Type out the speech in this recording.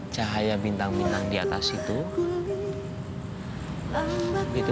cahaya bintang bintang di atas itu